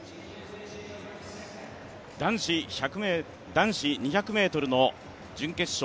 男子２００ｍの準決勝